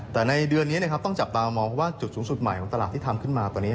แต่ในเดือนนี้นะครับต้องจับตามองเพราะว่าจุดสูงสุดใหม่ของตลาดที่ทำขึ้นมาตอนนี้